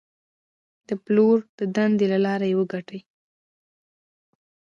د پلور د دندې له لارې وګټئ.